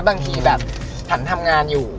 บางทีแบบผันทำงานอยู่